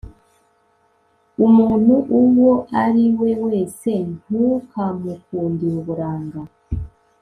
umuntu uwo ari we wese ntukamukundire uburanga